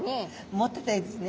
持ってたいですね。